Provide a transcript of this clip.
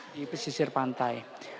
di pesisir pantai